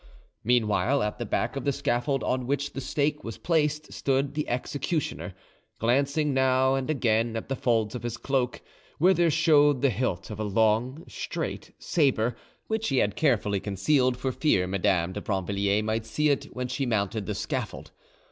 Meanwhile, at the back of the scaffold, on which the stake was placed, stood the executioner, glancing now and again at the folds of his cloak, where there showed the hilt of a long, straight sabre, which he had carefully concealed for fear Madame de Brinvilliers might see it when she mounted the scaffold.